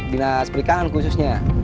dinas perikanan khususnya